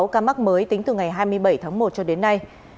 ba trăm sáu mươi sáu ca mắc mới tính từ ngày hai mươi bảy tháng một cho đến nay